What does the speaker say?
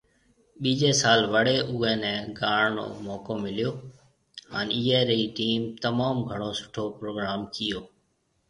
ٻيجي سال بڙي اوئي ني گاوڻ رو موقعو مليو، هان ايئي ري ٽيم تموم گھڻو سٺو پروگروم ڪيئو